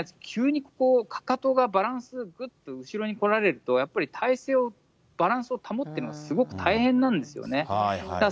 急にかかとがバランス、ぐっと後ろに取られると、やっぱり、体勢を、バランスを保つっていうのは、すごく大変なんですよね。